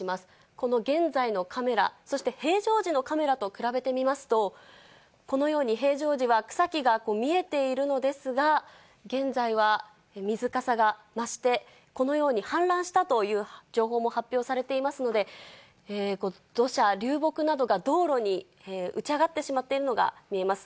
この現在のカメラ、そして平常時のカメラと比べてみますと、このように平常時は草木が見えているのですが、現在は水かさが増して、このように氾濫したという情報も発表されていますので、土砂、流木などが道路に打ち上がってしまっているのが見えます。